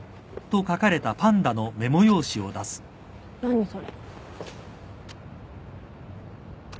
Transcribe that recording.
何それ。